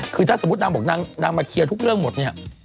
คือถ้าสมมุตินางบอกนางมาเคลียร์ทุกเรื่องหมดเนี่ย